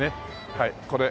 はいこれ。